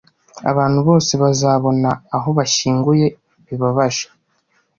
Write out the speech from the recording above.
abantu bose bazabona aho bashyinguye bibabaje